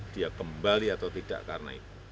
dia kembali atau tidak karena itu